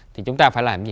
thì chúng ta phải làm gì